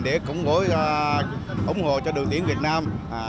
để ủng hộ cho đội tuyển việt nam